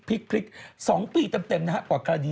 ๒ปีเต็มกว่าคดีมันจะขายขนาดนี้